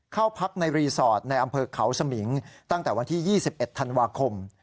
เข้าพักในรีสอร์ทในอำเภอเขาสมิงตั้งแต่วันที่๒๑ธันวาคม